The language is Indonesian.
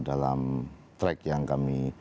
dalam track yang kami